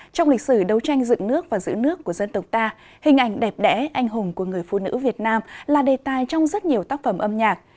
trong lịch sử đấu tranh dựng nước và giữ nước của dân tộc ta hình ảnh đẹp đẽ anh hùng của người phụ nữ việt nam là đề tài trong rất nhiều tác phẩm âm nhạc